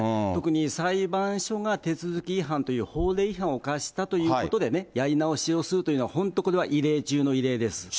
特に裁判所が手続き違反という法令違反を犯したということでやり直しをするというのは本当、これは異例中の異例です。